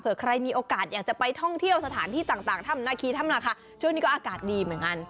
ใครมีโอกาสอยากจะไปท่องเที่ยวสถานที่ต่างถ้ำนาคีถ้ำนาคาช่วงนี้ก็อากาศดีเหมือนกัน